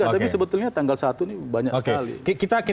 tapi sebetulnya tanggal satu ini banyak sekali